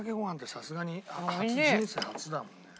さすがに人生初だもんね。